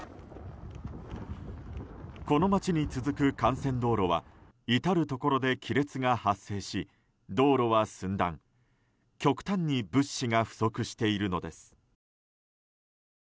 この街に続く幹線道路は至るところで亀裂が発生し道路は寸断、極端に物資が不足しているのです。